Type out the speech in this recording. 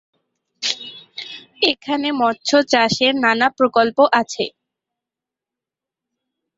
এখানে মৎস্য চাষের নানা প্রকল্প আছে।